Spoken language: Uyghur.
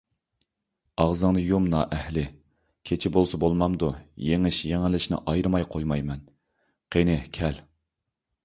ئاغزىڭنى يۇم نائەھلى! كېچە بولسا بولمامدۇ، يېڭىش - يېڭىلىشنى ئايرىماي قويمايمەن، قېنى كەل!